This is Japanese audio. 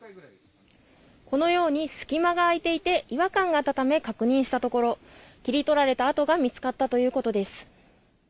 このように隙間が空いていて違和感があったため確認したところ切り取られた跡が見つかったということです。